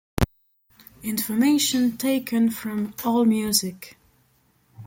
Information taken from Allmusic.